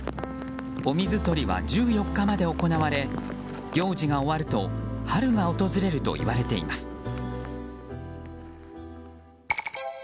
お水取りは１４日まで行われ行事が終わると春が訪れるといわれています。